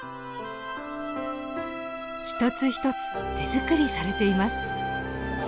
一つ一つ手作りされています。